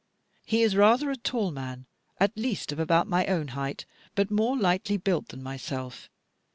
He is rather a tall man, at least of about my own height, but more lightly built than myself.